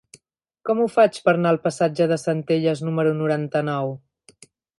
Com ho faig per anar al passatge de Centelles número noranta-nou?